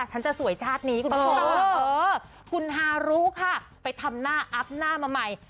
ฉันจะสวยชาตินี้คุณผู้ชมคุณฮารุค่ะไปทำหน้าอัพหน้ามาใหม่